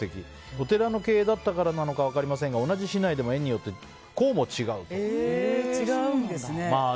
お寺系だったからなのか分かりませんが同じ市内でも園によってこうも違うのか。